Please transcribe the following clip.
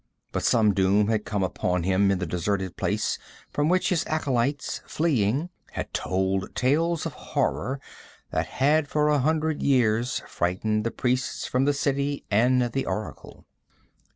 But some doom had come upon him in the deserted palace, from which his acolytes, fleeing, had told tales of horror that had for a hundred years frightened the priests from the city and the oracle.